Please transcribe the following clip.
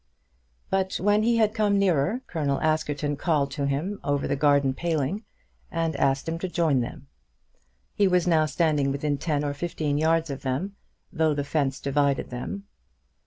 But when he had come nearer, Colonel Askerton called to him over the garden paling, and asked him to join them. He was now standing within ten or fifteen yards of them, though the fence divided them.